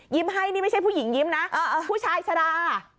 ให้นี่ไม่ใช่ผู้หญิงยิ้มนะผู้ชายชะดา